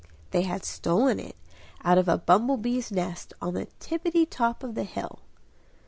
They had stolen it out of a bumble bees' nest on the tippitty top of the hill.